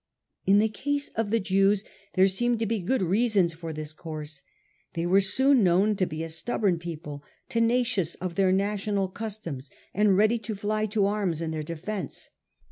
In the case of the Jews there seemed to be good reasons for this course. They were soon known to be a stubborn people, tenacious of their national customs, and ready to fly to arms in their defence.